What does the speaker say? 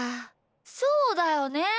そうだよね。